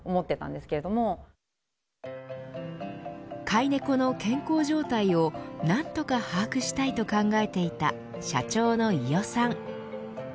飼い猫の健康状態を何とか把握したいと考えていた社長の伊豫さん。